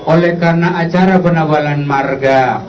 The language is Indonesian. oleh karena acara penabalan marga